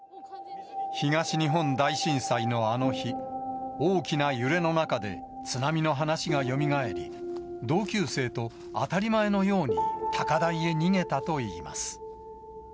東日本大震災のあの日、大きな揺れの中で、津波の話がよみがえり、同級生と当たり前のように高台へ逃げたといいます。